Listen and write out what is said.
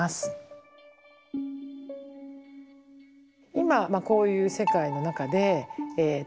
今こういう世界の中で多様性